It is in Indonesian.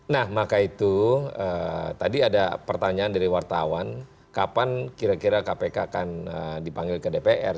nah maka itu tadi ada pertanyaan dari wartawan kapan kira kira kpk akan dipanggil ke dpr